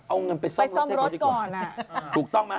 เอาเงินไปซ่อมรถก่อนอะถูกต้องมั้ย